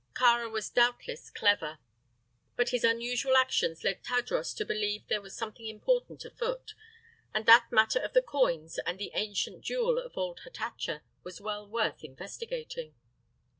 Kāra was doubtless clever, but his unusual actions led Tadros to believe there was something important afoot. And that matter of the coins and the ancient jewel of old Hatatcha was well worth investigating.